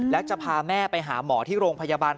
แล้วจะพาแม่ไปหาหมอที่โรงพยาบาล